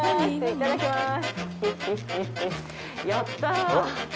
いただきます。